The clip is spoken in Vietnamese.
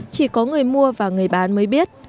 chỉ có người mua và người bán mới biết